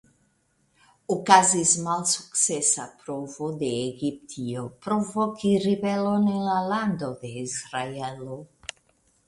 Okazis malsukcesa provo de Egiptio provoki ribelon en la Lando de Israelo.